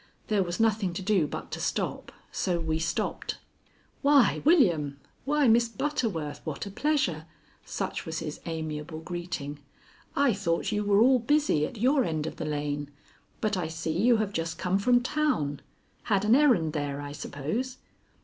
There was nothing to do but to stop, so we stopped. "Why, William! Why, Miss Butterworth, what a pleasure!" Such was his amiable greeting. "I thought you were all busy at your end of the lane; but I see you have just come from town. Had an errand there, I suppose?"